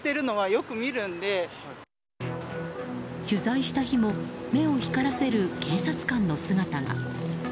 取材した日も目を光らせる警察官の姿が。